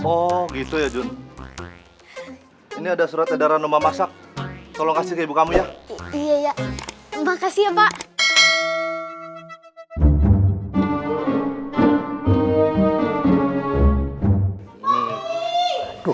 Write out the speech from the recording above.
oh gitu ya jun ini ada surat edaran rumah masak tolong kasih ke ibu kamu ya iya terima kasih ya mbak